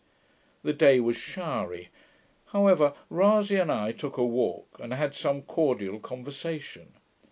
The day was showery; however, Rasay and I took a walk, and had some cordial conversation.